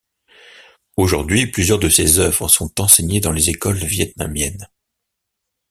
Aujourd'hui, plusieurs de ses œuvres sont enseignées dans les écoles vietnamiennes.